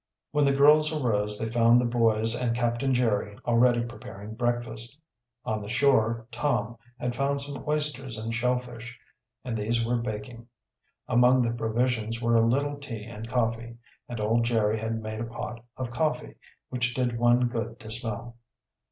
When the girls arose they found the boys and Captain Jerry already preparing breakfast. On the shore Tom, had found some oysters and shell fish, and these were baking. Among the provisions were a little tea and coffee, and old Jerry had made a pot of coffee, which did one good to smell.